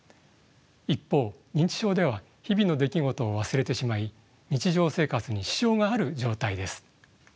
一方認知症では日々の出来事を忘れてしまい日常生活に支障がある状態です。